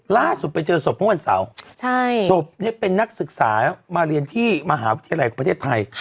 ล่าสุดไปเจอศพเมื่อวันเสาร์ศพเป็นนักศึกษามาเรียนที่มหาวิทยาลัยของประเทศไทย